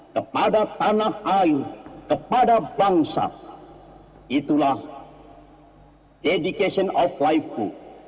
kepada tanah air kepada bangsa itulah education of life to